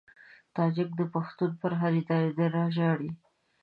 تاجک د پښتون پر هدیره ژاړي.